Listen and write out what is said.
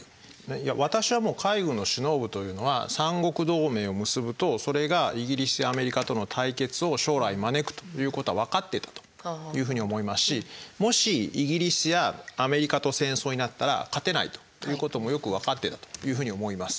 私はもう海軍の首脳部というのは三国同盟を結ぶとそれがイギリスやアメリカとの対決を将来招くということは分かってたというふうに思いますしもしということもよく分かってたというふうに思います。